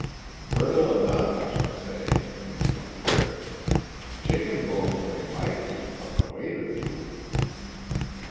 "Brittle enough I should say," rejoined Fritz; "chicken bones they might be from the weight of you."